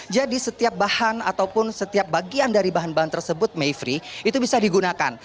jadi setiap bahan ataupun setiap bagian dari bahan bahan tersebut mayfrey itu bisa digunakan